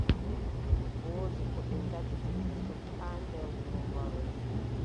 Woodi ko ɓe ngaddi kesum haa nder wuro ngol.